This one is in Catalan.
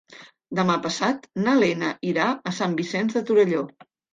Demà passat na Lena irà a Sant Vicenç de Torelló.